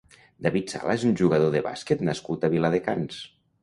David Sala és un jugador de bàsquet nascut a Viladecans.